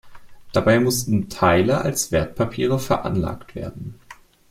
Dabei mussten Teile als Wertpapiere veranlagt werden.